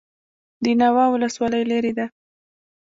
د ناوه ولسوالۍ لیرې ده